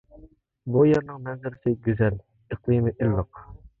بۇ يەرنىڭ مەنزىرىسى گۈزەل، ئىقلىمى ئىللىق.